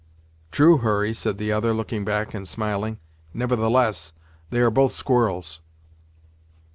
"True, Hurry," said the other looking back and smiling, "nevertheless, they are both squirrels."